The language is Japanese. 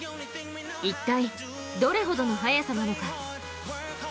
一体どれほどの速さなのか。